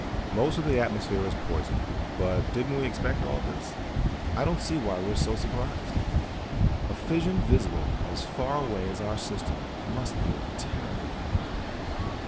"Most of the atmosphere is poisoned. But didn't we expect all this? I don't see why we're so surprised. A fission visible as far away as our system must be a terrible thing."